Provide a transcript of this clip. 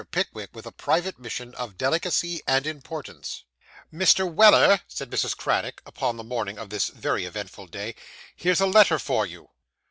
PICKWICK WITH A PRIVATE MISSION OF DELICACY AND IMPORTANCE Mr. Weller,' said Mrs. Craddock, upon the morning of this very eventful day, 'here's a letter for you.